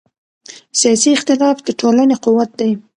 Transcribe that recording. سیاسي اختلاف د ټولنې قوت دی